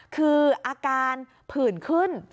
คืออาการผื่นขึ้น